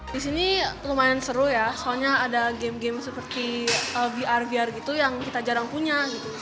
di sini lumayan seru ya soalnya ada game game seperti vr vr gitu yang kita jarang punya